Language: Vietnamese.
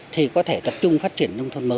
thì có thể tập trung phát triển